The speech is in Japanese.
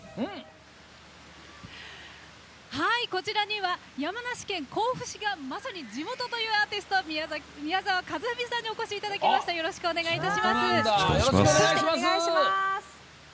こちらには山梨県甲府市がまさに地元というアーティスト宮沢和史さんにお越しいただきました。